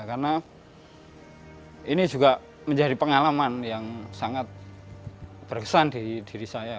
karena ini juga menjadi pengalaman yang sangat berkesan di diri saya